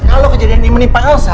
kalau kejadian ini menimpa elsa